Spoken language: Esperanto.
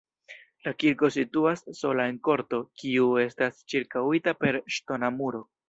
La kirko situas sola en korto, kiu estas ĉirkaŭita per ŝtona muro.